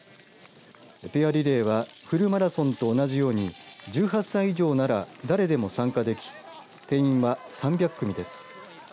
ペアリレーはフルマラソンと同じように１８歳以上なら誰でも参加でき定員は３００組です。